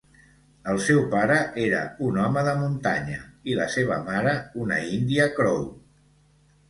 El seu pare era un home de muntanya i la seva mare una índia crow.